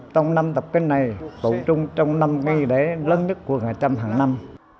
trong năm tập kinh này tổ chung trong năm nghi lễ lớn nhất của chăm hàng năm